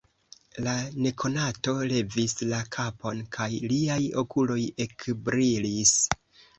La nekonato levis la kapon, kaj liaj okuloj ekbrilis.